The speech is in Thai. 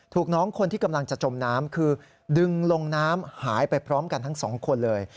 น้องคนที่กำลังจะจมน้ำคือดึงลงน้ำหายไปพร้อมกันทั้งสองคนเลย